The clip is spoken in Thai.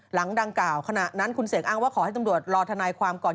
หลังดังกล่าวขณะนั้นคุณเสกอ้างว่าขอให้ตำรวจรอทนายความก่อน